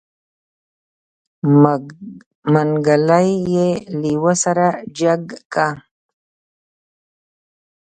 منګلی يې لېوه سره جګ که.